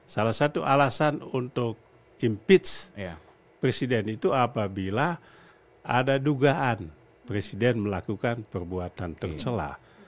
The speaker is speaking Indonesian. salah satu alasan untuk impeach presiden itu apabila ada dugaan presiden melakukan perbuatan tercelah